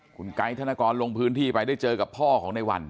คุณไกด์ธนกรลงพื้นที่ไปได้เจอกับพ่อของในวัน